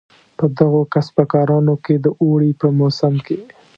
په دغو کسبه کارانو کې د اوړي په موسم کې.